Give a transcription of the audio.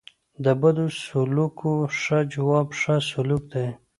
د بدو سلوکو ښه جواب؛ ښه سلوک دئ.